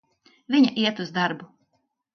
Viņa iet uz darbu.